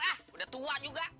ah udah tua juga